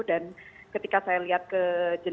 dan ketika saya lihat ke jalan